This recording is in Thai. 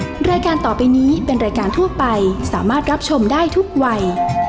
รายการต่อไปนี้เป็นรายการทั่วไปสามารถรับชมได้ทุกวัย